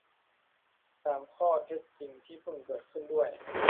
ตามข้อเท็จจริงที่เพิ่งเกิดขึ้นด้วย